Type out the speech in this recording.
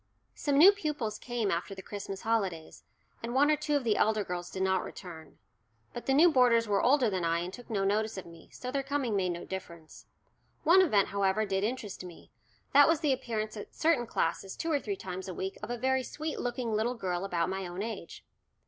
Some new pupils came after the Christmas holidays, and one or two of the elder girls did not return. But the new boarders were older than I and took no notice of me, so their coming made no difference. One event, however, did interest me that was the appearance at certain classes two or three times a week of a very sweet looking little girl about my own age.